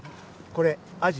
これアジ。